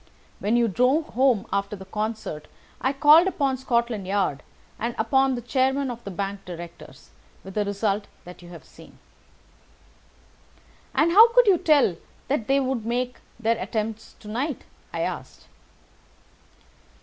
When you drove home after the concert I called upon Scotland Yard and upon the chairman of the bank directors, with the result that you have seen." "And how could you tell that they would make their attempt to night?" I asked.